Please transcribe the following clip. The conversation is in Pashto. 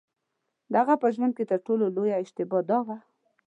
د هغه په ژوند کې تر ټولو لویه اشتباه دا وه.